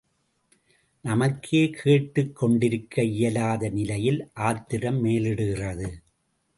நமக்கே கேட்டுக் கொண்டிருக்க இயலாத நிலையில் ஆத்திரம் மேலிடுகிறது!